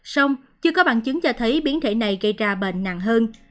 xong chưa có bằng chứng cho thấy biến thể này gây ra bệnh nặng hơn